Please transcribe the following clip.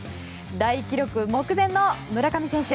大記録目前の村上選手。